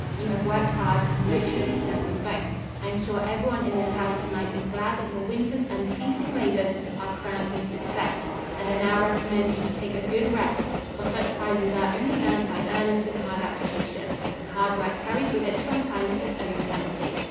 You have worked hard and richly deserve them both. I am sure everyone in this house to night is glad that your winter's unceasing labors are crowned with success, and I now recommend you to take a good rest, for such prizes are only earned by earnest and hard application, and hard work carries with it, sometimes, its own penalty."